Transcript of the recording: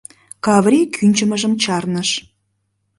Каврий кӱнчымыжым чарныш.